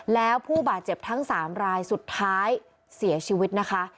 แล้วผู้บาดเจ็บทั้ง๓รายสุดท้ายเสียชีวิตนะคะ